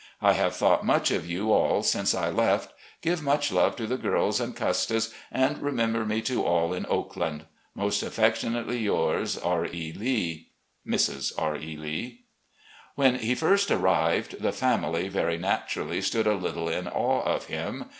I have thought much of you all since I left. Give much love to the girls and Custis and remember me to all at 'Oakland.' " Most affectionately yours, R. E. Lee. "Mrs. R. E. Lee.'' When he first arrived, the family, very naturally, stood a little in awe of him.